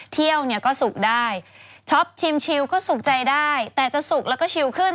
เที่ยวก็สุขได้ชอบชิมชิลก็สุขใจได้แต่จะสุขแล้วก็ชิลขึ้น